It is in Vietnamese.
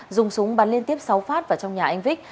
dùng súng bắn liên tiếp sáu phát vào trong nhà anh vích